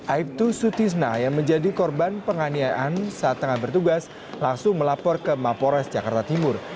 aibtu sutisna yang menjadi korban penganiayaan saat tengah bertugas langsung melapor ke mapores jakarta timur